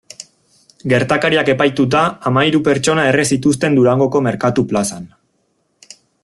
Gertakariak epaituta hamahiru pertsona erre zituzten Durangoko merkatu plazan.